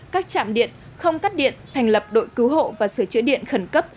các trạm điện không cắt điện thành lập đội cứu hộ và sửa chữa điện khẩn cấp